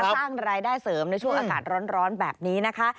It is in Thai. สร้างรายได้เสริมในช่วงอากาศร้อนแบบนี้นะคะ